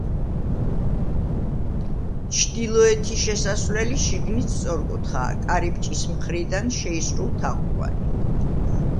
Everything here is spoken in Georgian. ჩრდილოეთი შესასვლელი შიგნით სწორკუთხაა, კარიბჭის მხრიდან შეისრულთაღოვანი.